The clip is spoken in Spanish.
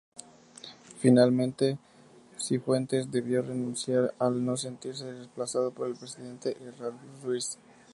Finalmente, Cifuentes debió renunciar, al no sentirse respaldado por el presidente Errázuriz.